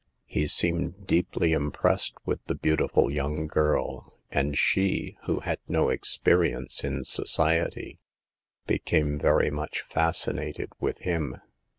He seemed deeply impressed with the beautiful young girl, and she, who had no experience in society, became very much fascinated with him.